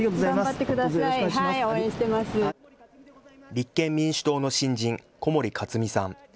立憲民主党の新人、小森克己さん。